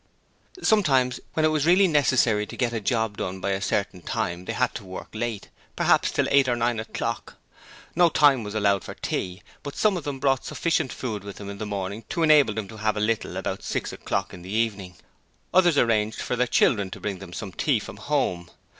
Sometimes, when it was really necessary to get a job done by a certain time, they had to work late, perhaps till eight or nine o'clock. No time was allowed for tea, but some of them brought sufficient food with them in the morning to enable them to have a little about six o'clock in the evening. Others arranged for their children to bring them some tea from home.